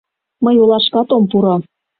Мый олашкат ом пуро.